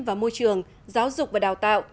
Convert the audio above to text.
và môi trường giáo dục và đào tạo